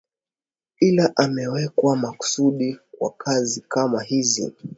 Ila amewekwa makusudi kwa kazi kama hizi